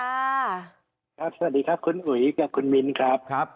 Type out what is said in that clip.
สวัสดีครับคุณอุ๋ยกับคุณมิ้นครับ